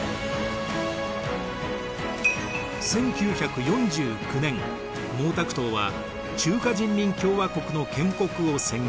１９４９年毛沢東は中華人民共和国の建国を宣言。